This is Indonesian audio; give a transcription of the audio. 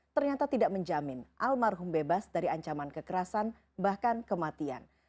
ternyata tidak menjamin almarhum bebas dari ancaman kekerasan bahkan kematian